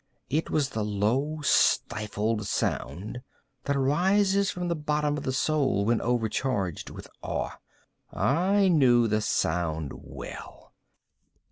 —it was the low stifled sound that arises from the bottom of the soul when overcharged with awe. I knew the sound well.